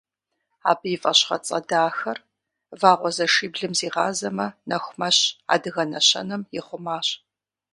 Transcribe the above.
Абы и фӏэщыгъэцӏэ дахэр «Вагъуэзэшиблым зигъазэмэ, нэху мэщ» адыгэ нэщэнэм ихъумащ.